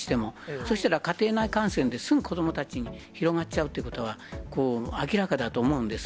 そうしたら家庭内感染で、すぐ子どもたちに広がっちゃうということは、明らかだと思うんです。